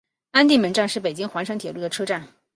安定门站是北京环城铁路的车站。